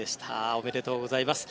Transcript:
おめでとうございます。